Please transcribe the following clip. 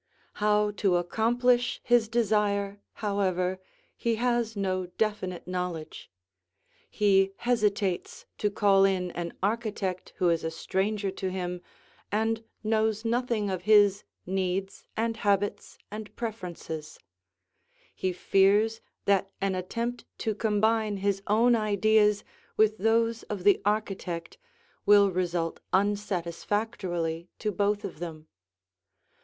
How to accomplish his desire, however, he has no definite knowledge. He hesitates to call in an architect who is a stranger to him and knows nothing of his needs and habits and preferences; he fears that an attempt to combine his own ideas with those of the architect will result unsatisfactorily to both of them.